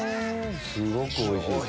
すごくおいしい。